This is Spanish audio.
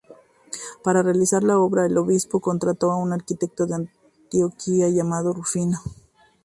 Para realizar la obra el obispo contrató a un arquitecto de Antioquía llamado Rufino.